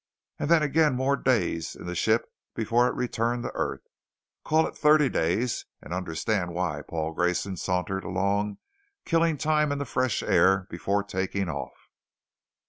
And then again more days in the ship before it returned to earth. Call it thirty days and understand why Paul Grayson sauntered along killing time in the fresh air before taking off.